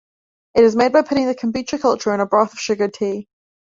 It is made by putting the kombucha culture into a broth of sugared tea.